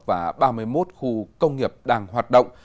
và ba mươi một khu công nghiệp đang hoạt động